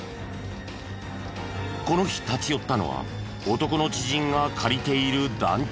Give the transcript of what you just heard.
この日立ち寄ったのは男の知人が借りている団地。